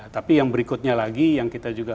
tapi yang berikutnya lagi yang kita juga